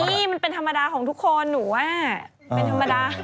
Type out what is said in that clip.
มีมันเป็นธรรมดาของทุกคนหนูว่า